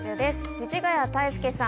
藤ヶ谷太輔さん